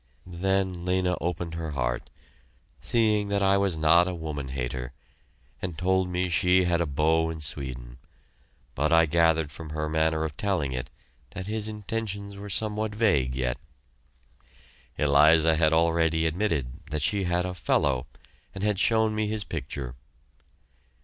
Then Lena opened her heart, seeing that I was not a woman hater, and told me she had a beau in Sweden; but I gathered from her manner of telling it that his intentions were somewhat vague yet. Eliza had already admitted that she had a "fellow," and had shown me his picture.